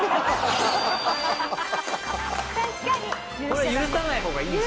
これ許さない方がいいし。